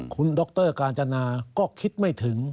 คุณดรกาญจนาก็คิดไม่ถึง